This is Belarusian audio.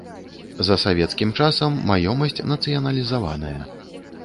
За савецкім часам маёмасць нацыяналізаваная.